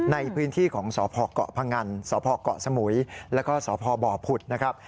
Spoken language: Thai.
ในพื้นที่ของสพเกาะพงันสพเกาะสมุยแล้วก็สพบผุดนะครับ